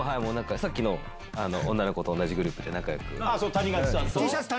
さっきの女の子と同じグループで仲良く。